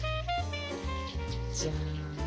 じゃん！